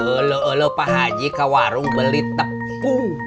olok olok pak haji ke warung beli tepung